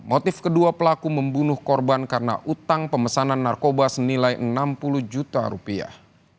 motif kedua pelaku membunuh korban karena utang pemesanan narkoba senilai enam puluh juta rupiah